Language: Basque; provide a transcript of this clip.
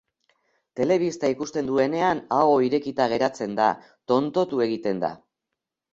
Telebista ikusten duenean ahoa irekita geratzen da, tontotu egiten da.